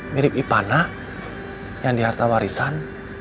mirip ipana yang di harta warisan